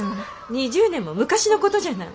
２０年も昔の事じゃない。